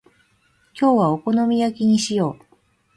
今日はお好み焼きにしよう。